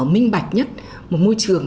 minh bạch nhất một môi trường